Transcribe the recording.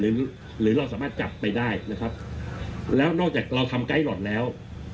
หรือเราสามารถจับไปได้นะครับแล้วนอกจากเราทำไกด์หลอดแล้ว